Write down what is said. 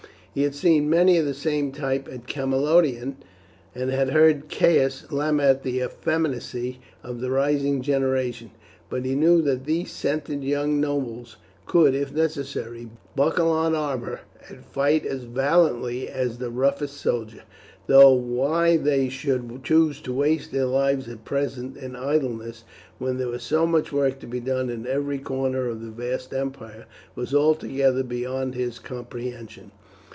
He had seen many of the same type at Camalodunum, and had heard Caius lament the effeminacy of the rising generation; but he knew that these scented young nobles could, if necessary, buckle on armour and fight as valiantly as the roughest soldier; though why they should choose to waste their lives at present in idleness, when there was so much work to be done in every corner of the vast empire, was altogether beyond his comprehension.